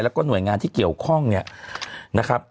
แล้วก็หน่วยงานที่เกี่ยวข้องเนี่ยนะครับ